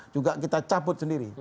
juga kita cabut sendiri